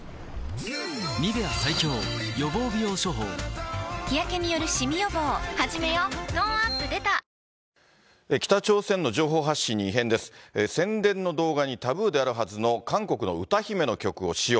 トーンアップ出た宣伝の動画にタブーであるはずの韓国の歌姫の曲を使用。